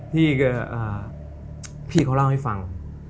ที่พี่เขาเล่าให้ฟัง